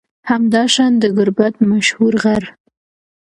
همداشان د گربت مشهور غر